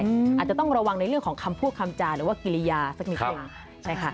อาจจะต้องระวังในเรื่องของคำพูดคำจาหรือว่ากิริยาสักนิดนึงใช่ค่ะ